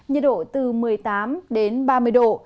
nhiệt độ từ một mươi tám ba mươi độ